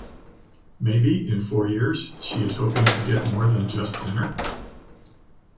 Maybe in four years she is hoping to get more than just dinner?